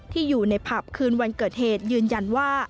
ที่อยู่ในผับคืนวันเกิดเหตุยืนยันว่า